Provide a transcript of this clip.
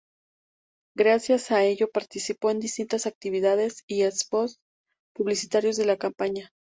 Gracias a ello participó en distintas actividades y spots publicitarios de la campaña.